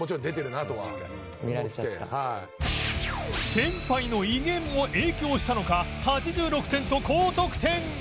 先輩の威厳も影響したのか８６点と高得点！